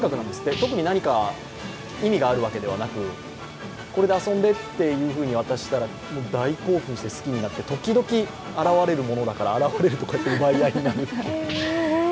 特に何か意味があるわけでもなくこれで遊んでってと渡したら、大興奮して、好きになって、時々、現れるものだから、現れると、こうやって奪い合いになる。